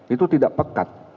itu tidak pekat